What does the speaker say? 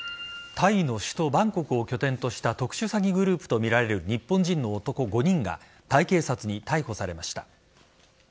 タイの首都バンコクを拠点とした特殊詐欺グループとみられる日本人の男５人がタイ警察に逮捕されました。